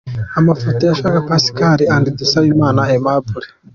Amafoto: Shyaka Pascal & Dusabimana Aimable.